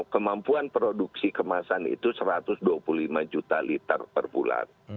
kemampuan produksi kemasan itu satu ratus dua puluh lima juta liter per bulan